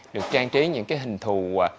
được trang trí những cái hình thù